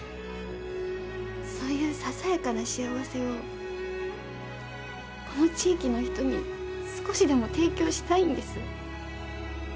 そういうささやかな幸せをこの地域の人に少しでも提供したいんです。